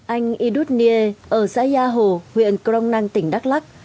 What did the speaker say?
anh idut nie ở xã gia hồ huyện crong nang tỉnh đắk lắc